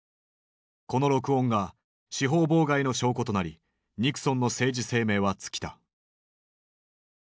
この録音が司法妨害の証拠となりニクソンの政治生命は尽きた。